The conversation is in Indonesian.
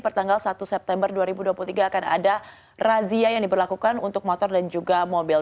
pertanggal satu september dua ribu dua puluh tiga akan ada razia yang diberlakukan untuk motor dan juga mobil